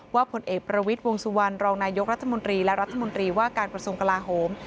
ผลเอกประวิทย์วงสุวรรณรองนายกรัฐมนตรีและรัฐมนตรีว่าการกระทรวงกลาโหม